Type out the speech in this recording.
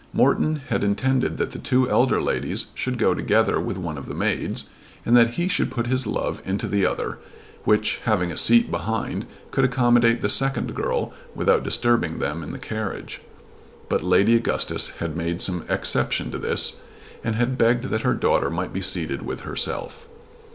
Morton had intended that the two elder ladies should go together with one of the maids, and that he should put his love into the other, which having a seat behind, could accommodate the second girl without disturbing them in the carriage. But Lady Augustus had made some exception to this and had begged that her daughter might be seated with herself.